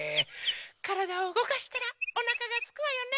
からだをうごかしたらおなかがすくわよね。